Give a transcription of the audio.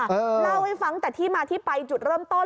เล่าให้ฟังแต่ที่มาที่ไปจุดเริ่มต้น